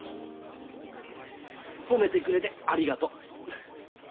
褒めてくれてありがとう。